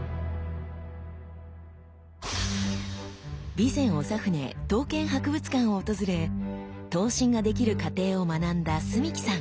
備前長船刀剣博物館を訪れ刀身ができる過程を学んだ澄輝さん。